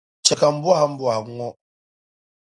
chɛ ka m bɔhi a m bɔhigu ŋɔ.